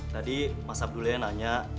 tadi mas abdullah yang nanya